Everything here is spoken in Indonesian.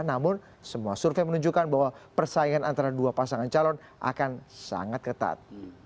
namun semua survei menunjukkan bahwa persaingan antara dua pasangan calon akan sangat ketat